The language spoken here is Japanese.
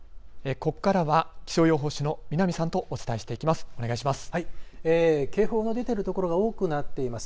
ここからは気象予報士の南さんとお伝えしていきます。